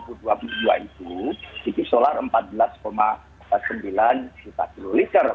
pada apbn tahun dua ribu dua puluh dua itu icp solar empat belas sembilan juta kiloliter